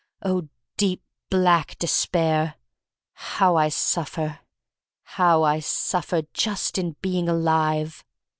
Oh, deep black Despair! How I suffer, how I suffer — ^just in being alive.